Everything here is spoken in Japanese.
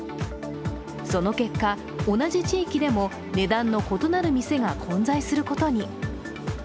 その結果、同じ地域でも値段の異なる店が混在することに。